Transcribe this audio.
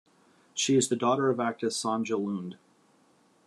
She is the daughter of actress Sonja Lund.